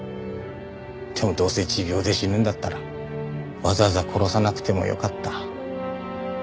でもどうせ持病で死ぬんだったらわざわざ殺さなくてもよかった。